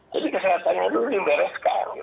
jadi kesehatannya dulu dibereskan